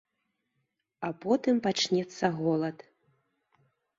А потым пачнецца голад.